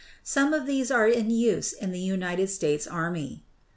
Some of these are in use in the United States army.